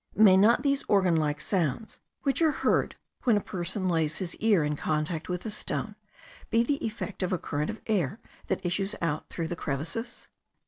May not these organ like sounds, which are heard when a person lays his ear in contact with the stone, be the effect of a current of air that issues out through the crevices?